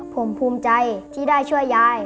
ผมภูมิใจที่ได้ช่วยยาย